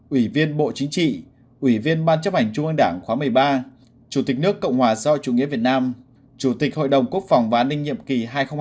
ủy viên bộ chính trị ủy viên ban chấp hành trung ơn đảng khóa một mươi ba chủ tịch nước cộng hòa do chủ nghĩa việt nam chủ tịch hội đồng quốc phòng và an ninh nhiệm kỳ hai nghìn hai mươi một hai nghìn hai mươi sáu